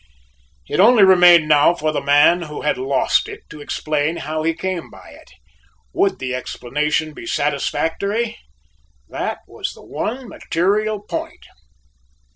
It only remained now for the man who had lost it to explain how he came by it. Would the explanation be satisfactory? That was the one material point.